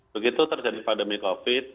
begitu terjadi pandemi covid sembilan belas